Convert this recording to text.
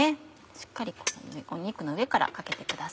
しっかり肉の上からかけてください。